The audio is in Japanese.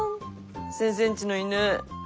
先生んちの犬。